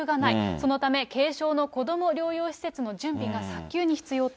そのため、軽症の子ども療養施設の準備が早急に必要と。